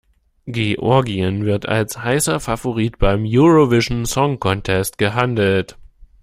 Georgien wird als heißer Favorit beim Eurovision Song Contest gehandelt.